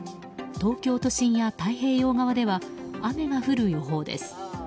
東京都心や太平洋側では雨が降る予報です。